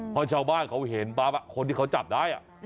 พ่อชาวบ้านเค้าเห็นปราบคนที่ที่เค้าจับได้